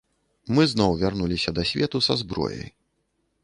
Мы зноў вярнуліся да свету са зброяй.